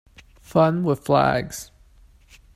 Fun with flags.